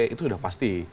itu sudah pasti